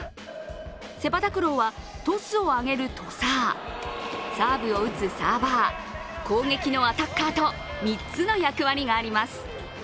セパタクローはトスを上げるトサー、サーブを打つサーバー、攻撃のアタッカーと３つの役割があります。